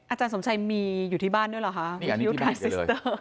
อาจารย์สมชัยมีอยู่ที่บ้านด้วยเหรอคะมีทริวทรายซิสเตอร์